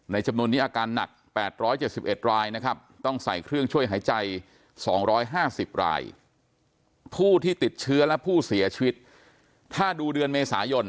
ในจำนวนนี้อาการหนัก๘๗๑รายนะครับต้องใส่เครื่องช่วยหายใจ๒๕๐ราย